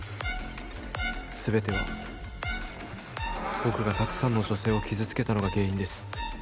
すべては僕がたくさんの女性を傷つけたのが原因です